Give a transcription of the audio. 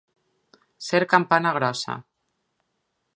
Ser campana grossa.